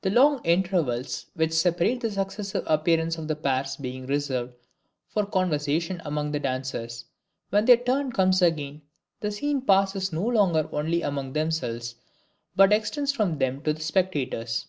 The long intervals which separate the successive appearance of the pairs being reserved for conversation among the dancers, when their turn comes again, the scene passes no longer only among themselves, but extends from them to the spectators.